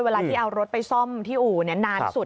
เวลาที่เอารถไปซ่อมที่อู่นานสุด